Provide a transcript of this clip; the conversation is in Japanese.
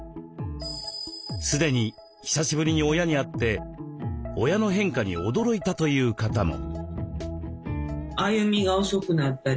すでに久しぶりに親に会って親の変化に驚いたという方も。